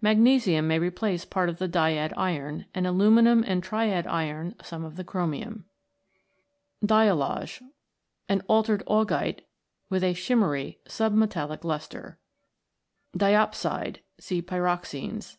Magnesium may replace part of the dyad iron, and aluminium and triad iron some of the chromium. Diallage. An altered augite with a shimmery submetallic lustre. Diopside. See Pyroxenes.